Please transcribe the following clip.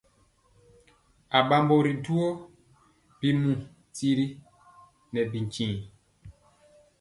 Aɓambo ri duwɔ bimu tiri nɛ bintiŋ.